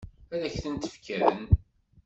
Ad k-tent-fken?